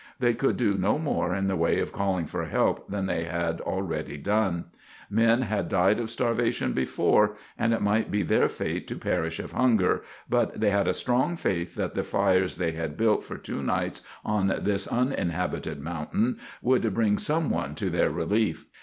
They could do no more in the way of calling for help than they had already done. Men had died of starvation before, and it might be their fate to perish of hunger, but they had a strong faith that the fires they had built for two nights on this uninhabited mountain would bring some one to their relief.